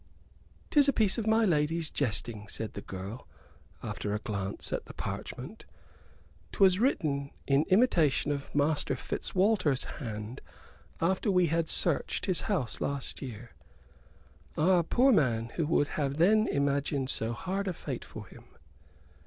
"'Tis a piece of my lady's jesting," said the girl, after a glance at the parchment. "'Twas written in imitation of Master Fitzwalter's hand after we had searched his house last year. Ah, poor man, who would have then imagined so hard a fate for him?"